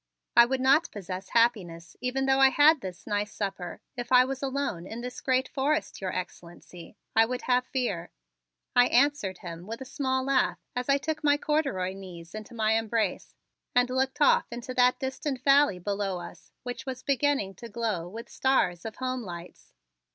"I would not possess happiness even though I had this nice supper, if I was alone in this great forest, Your Excellency; I would have fear," I answered him with a small laugh as I took my corduroy knees into my embrace and looked off into that distant valley below us which was beginning to glow with stars of home lights.